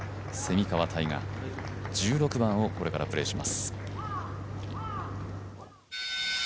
蝉川泰果、１６番をこれからプレーします。